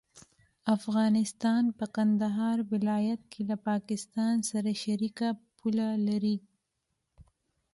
افغانستان په کندهار ولايت کې له پاکستان سره شریکه پوله لري.